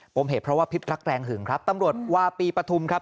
มเหตุเพราะว่าพิษรักแรงหึงครับตำรวจวาปีปฐุมครับ